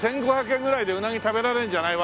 １５００円ぐらいでうなぎ食べられるんじゃない？